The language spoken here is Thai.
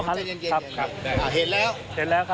เย็นครับอ่าเห็นแล้วโอเคถ่ายแล้วนะ